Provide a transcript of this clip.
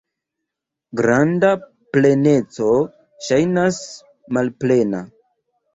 Granda pleneco ŝajnas malplena.